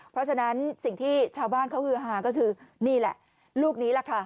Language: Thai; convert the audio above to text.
เพราะฉะนั้นสิ่งที่ชาวบ้านเขาฮือฮาก็คือนี่แหละลูกนี้แหละค่ะ